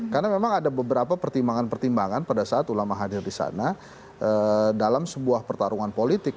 karena memang ada beberapa pertimbangan pertimbangan pada saat ulama hadir di sana dalam sebuah pertarungan politik